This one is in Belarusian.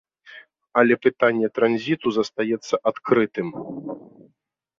Але пытанне транзіту застаецца адкрытым.